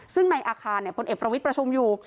ซึ่งในอาคารพลเอกประวิทย์ประชุมอยู่